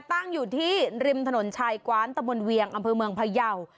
ตั้งอยู่ที่ริมถนนชายกว้านตะบนเวียงอำเภอเมืองพยาว